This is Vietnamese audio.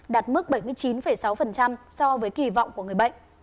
đạt mức bảy mươi chín sáu so với kỳ vọng của người bệnh